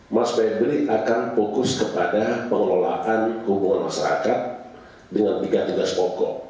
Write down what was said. mas febri akan fokus kepada pengelolaan hubungan masyarakat dengan tiga tugas pokok